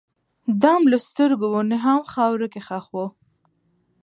دام له سترګو وو نیهام خاورو کي ښخ وو